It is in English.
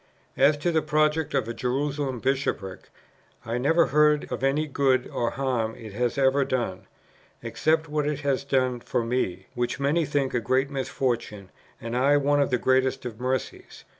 As to the project of a Jerusalem Bishopric, I never heard of any good or harm it has ever done, except what it has done for me; which many think a great misfortune, and I one of the greatest of mercies.